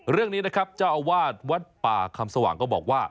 เรื่องนี้นะครับเจ้าอาวาสวัดป่าคำสว่างก็บอกว่า